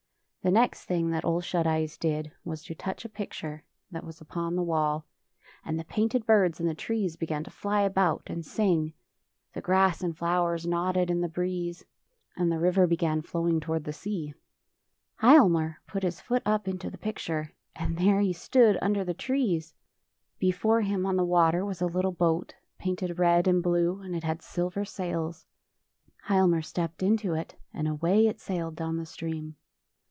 The next thing that Ole Shut Eyes did was to touch a picture that was upon the [ 35 ] FAVORITE FAIRY TALES RETOLD wall, and the painted birds in the trees began to fly about and sing, the grass and flowers nodded in the breeze, and the river began flowing toward the sea. Hialmar put his foot up into the picture — and there he stood under the trees! Be fore him on the water was a little boat, painted red and blue, and it had silver sails. Hialmar stepped into it, and away it sailed down the stream.